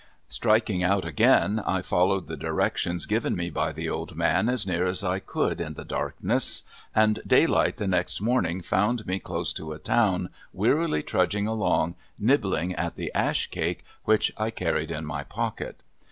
Striking out again, I followed the directions given me by the old man as near as I could in the darkness, and daylight the next morning found me close to a town wearily trudging along, nibbling at the ash cake which I carried in my pocket.